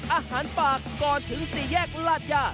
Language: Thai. อาหารป่าก่อนถึง๔แยกลาดยา